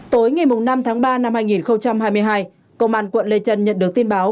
tối ngày năm tháng ba năm hai nghìn hai mươi hai công an quận lê trân nhận được tin báo